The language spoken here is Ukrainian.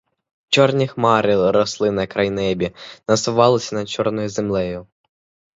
Чорні хмари росли на крайнебі, насувалися над чорною землею.